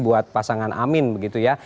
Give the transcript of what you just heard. buat pasangan amin begitu ya